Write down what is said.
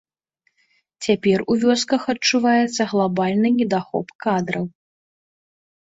Цяпер у вёсках адчуваецца глабальны недахоп кадраў.